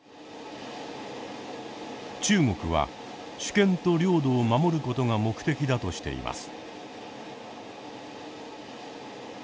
中国は主権と領土を守ることが目的だとしています。